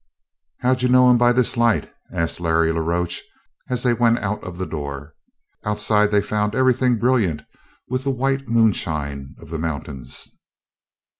"How'd you know him by this light?" asked Larry la Roche, as they went out of the door. Outside they found everything brilliant with the white moonshine of the mountains.